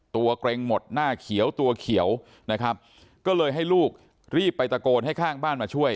เกร็งหมดหน้าเขียวตัวเขียวนะครับก็เลยให้ลูกรีบไปตะโกนให้ข้างบ้านมาช่วย